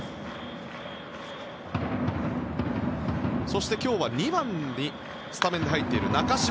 そして今日は２番にスタメンで入っている中島。